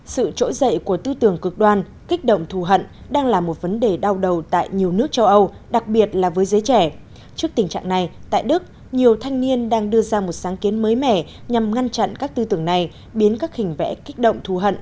sự trỗi dậy của tư tưởng cực đoan kích động thù hận đang là một vấn đề đau đầu tại nhiều nước châu âu đặc biệt là với giới trẻ trước tình trạng này tại đức nhiều thanh niên đang đưa ra một sáng kiến mới mẻ nhằm ngăn chặn các tư tưởng này biến các hình vẽ kích động thù hận